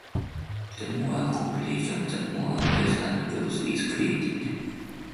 The more competition, the more wealth and growth is created.